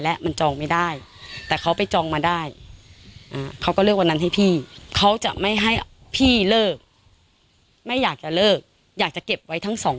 แล้วพี่ถามทุกคนหน่อยได้ไหมถ้าคุณเป็นเมียหลวงแล้วคุณไม่ยอม